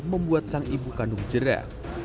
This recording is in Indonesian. membuat sang ibu kandung jerah